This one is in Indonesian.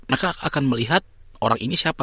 mereka akan melihat orang ini siapa